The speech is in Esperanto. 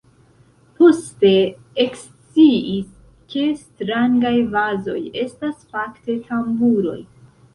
Poste eksciis ke strangaj vazoj estas fakte tamburoj.